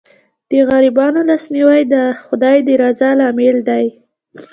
د غریبانو لاسنیوی د خدای د رضا لامل دی.